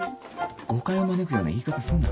誤解を招くような言い方すんな。